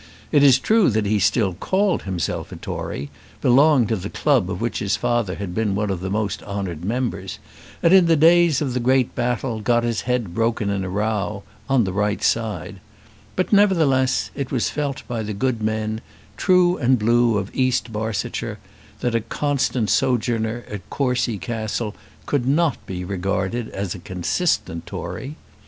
It is true that he still called himself a Tory, belonged to the club of which his father had been one of the most honoured members, and in the days of the great battle got his head broken in a row, on the right side; but, nevertheless, it was felt by the good men, true and blue, of East Barsetshire, that a constant sojourner at Courcy Castle could not be regarded as a consistent Tory.